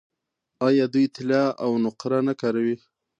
آیا دوی طلا او نقره نه کاروي؟